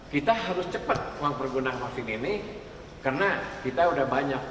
kita harus cepat mempergunakan vaksin ini karena kita udah banyak